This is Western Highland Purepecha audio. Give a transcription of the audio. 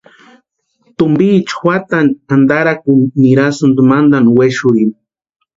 Tumpiecha juatani antarakuni nirasïnti mantani wexurhini.